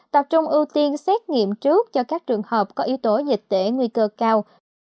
tập trung ưu tiên xét nghiệm trước cho các trường hợp có yếu tố dịch tễ nguy cơ cao